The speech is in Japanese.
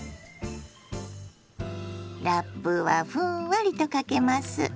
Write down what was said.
ラップはふんわりとかけます。